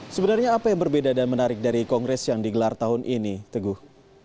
sebenarnya apa yang berbeda dan menarik dari kongres yang digelar tahun ini teguh